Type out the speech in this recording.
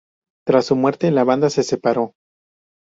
Tras su muerte, la banda se separó.